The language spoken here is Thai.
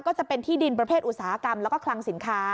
ก็จะเป็นที่ดินประเภทอุตสาหกรรมแล้วก็คลังสินค้า